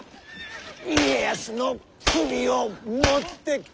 家康の首を持ってこんか！